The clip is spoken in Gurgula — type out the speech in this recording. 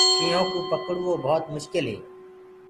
شيِنهو ڪوُ پڪڙوو ڀوت مشڪِل هي۔